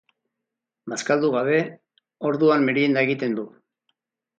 Bazkaldu gabe, orduan merienda egiten du.